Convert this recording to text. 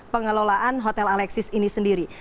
pengelolaan hotel alexis ini sendiri